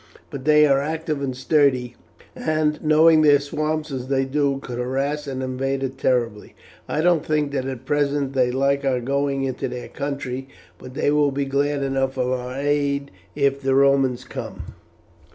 But they are active and sturdy, and, knowing their swamps as they do, could harass an invader terribly. I don't think that at present they like our going into their country, but they will be glad enough of our aid if the Romans come."